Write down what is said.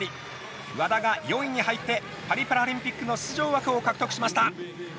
和田が４位に入ってパリパラリンピックの出場枠を獲得しました。